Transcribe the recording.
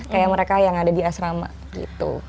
kayak mereka yang ada di asrama gitu